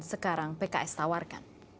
sekarang pks tawarkan